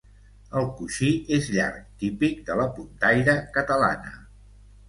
El coixí és llarg, típic de la puntaire catalana.